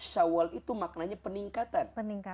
syawal itu maknanya peningkatan